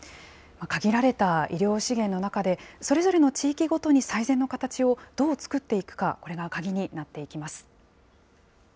限られた医療資源の中で、それぞれの地域ごとに最善の形をどう作っていくか、これが鍵になっていきます。